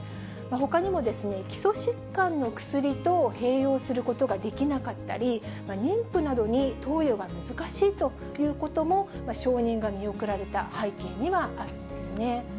ほかにも、基礎疾患の薬と併用することができなかったり、妊婦などに投与が難しいということも、承認が見送られた背景にはあるんですね。